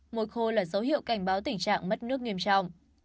mùa khô là dấu hiệu cảnh báo tình trạng mất nước nghiêm trọng